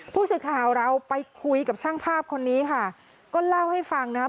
ผู้สื่อข่าวเราไปคุยกับช่างภาพคนนี้ค่ะก็เล่าให้ฟังนะคะ